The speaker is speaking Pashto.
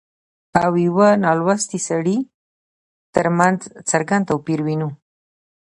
او يوه نالوستي سړي ترمنځ څرګند توپير وينو